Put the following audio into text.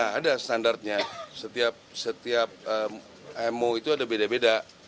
ada standarnya setiap emo itu ada beda beda